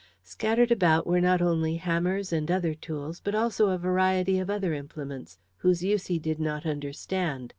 Scattered about were not only hammers and other tools, but also a variety of other implements, whose use he did not understand.